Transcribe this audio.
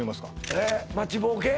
えっ待ちぼうけ？